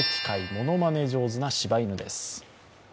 ものまね上手なしば犬です。